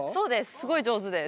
すごい上手です。